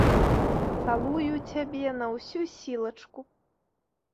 Цалую цябе на ўсю сілачку.